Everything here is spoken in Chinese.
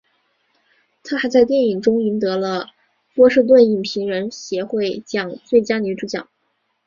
她还在电影中赢得了波士顿影评人协会奖最佳女主角。